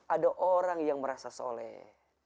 ada orang yang merasa soleh